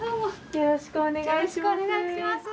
よろしくお願いします。